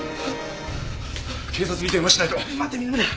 警察に電話しないと。